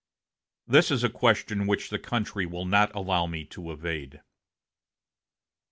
This is a question which the country will not allow me to evade...."